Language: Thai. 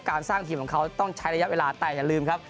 การสร้างทีมของเขาต้องใช้ระยะเวลาแต่อย่าลืมครับ